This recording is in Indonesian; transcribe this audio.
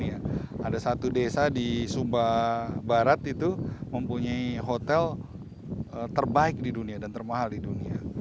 ada satu desa di sumba barat itu mempunyai hotel terbaik di dunia dan termahal di dunia